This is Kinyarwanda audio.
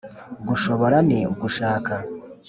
gushobora ni ugushaka